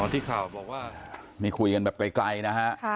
ที่ข่าวบอกว่านี่คุยกันแบบไกลนะฮะ